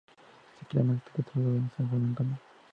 Sacramento se trasladó a San Antonio.